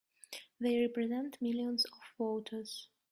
They represent millions of voters!